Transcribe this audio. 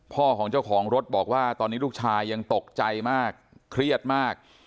ของเจ้าของรถบอกว่าตอนนี้ลูกชายยังตกใจมากเครียดมาก